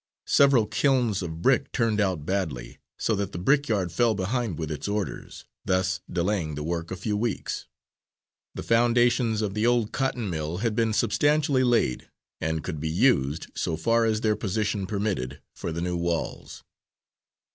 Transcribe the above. Several kilns of brick turned out badly, so that the brickyard fell behind with its orders, thus delaying the work a few weeks. The foundations of the old cotton mill had been substantially laid, and could be used, so far as their position permitted for the new walls.